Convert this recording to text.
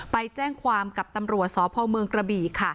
ไปแจ้งความกับตำรวจสพเมืองกระบี่ค่ะ